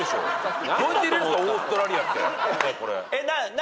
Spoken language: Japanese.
何？